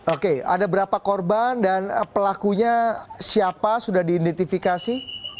oke ada berapa korban dan pelakunya siapa sudah diidentifikasi